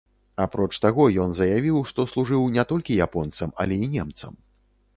Апроч таго, ён заявіў, што служыў не толькі японцам, але і немцам.